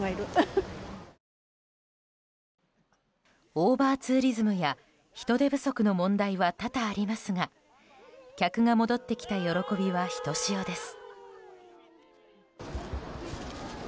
オーバーツーリズムや人手不足の問題は多々ありますが客が戻ってきた喜びはひとしおです。